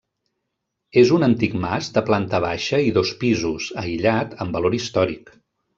És un antic mas de planta baixa i dos pisos, aïllat, amb valor històric.